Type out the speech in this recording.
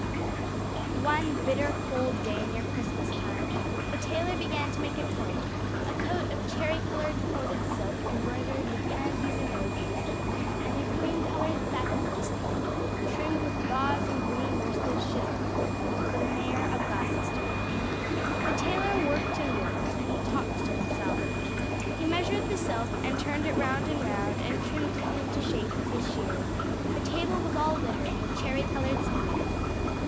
One bitter cold day near Christmastime the tailor began to make a coat a coat of cherry coloured corded silk embroidered with pansies and roses, and a cream coloured satin waistcoat trimmed with gauze and green worsted chenille for the Mayor of Gloucester. The tailor worked and worked, and he talked to himself. He measured the silk, and turned it round and round, and trimmed it into shape with his shears; the table was all littered with cherry coloured snippets.